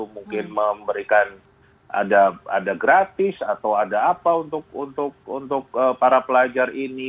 mungkin memberikan ada gratis atau ada apa untuk para pelajar ini